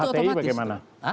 kalau hti bagaimana